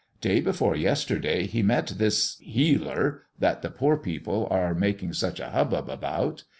Day before yesterday he met this Healer that the poor people are making such a hubbub about.